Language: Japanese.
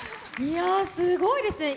すごいですね！